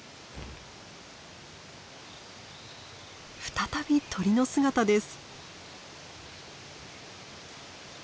再び鳥の姿です！